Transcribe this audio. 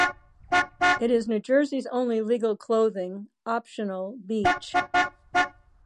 It is New Jersey's only legal clothing-optional beach.